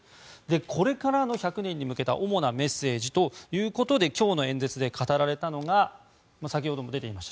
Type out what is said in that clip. これからの１００年に向けた主なメッセージということで今日の演説で語られたのは先ほども出ていました